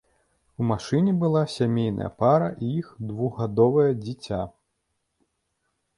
У машыне была сямейная пара і іх двухгадовае дзіця.